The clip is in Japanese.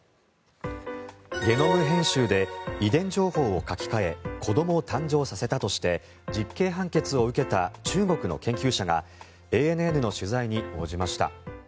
ゲノム編集で遺伝情報を書き換え子どもを誕生させたとして実刑判決を受けた中国の研究者がＡＮＮの取材に応じました。